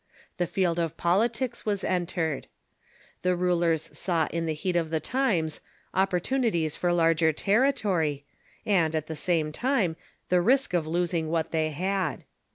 The field of politics was entered. The rulers saw in the heat of the times opportunities for larger territory, and, at the same time, the risk of losing what they had.